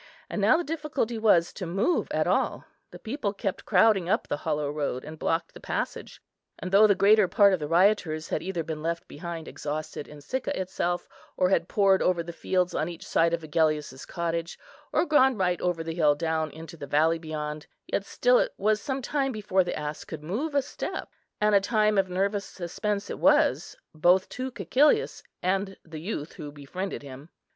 And now the difficulty was to move at all. The people kept crowding up the hollow road, and blocked the passage, and though the greater part of the rioters had either been left behind exhausted in Sicca itself, or had poured over the fields on each side of Agellius's cottage, or gone right over the hill down into the valley beyond, yet still it was some time before the ass could move a step, and a time of nervous suspense it was both to Cæcilius and the youth who befriended him.